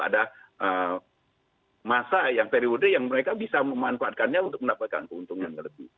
ada masa yang periode yang mereka bisa memanfaatkannya untuk mendapatkan keuntungan lebih